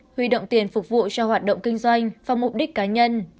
huy động tiền phục vụ cho hoạt động kinh doanh và mục đích cá nhân